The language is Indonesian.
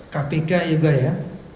kpk juga ya